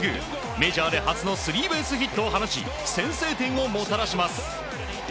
メジャーで初のスリーベースヒットを放ち先制点をもたらします。